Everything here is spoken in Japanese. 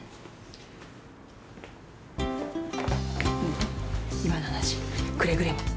ねえ今の話くれぐれも。